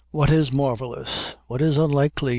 What is marvelous? what is unlikely?